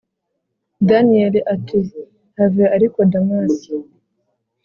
daniel ati: have ariko damas,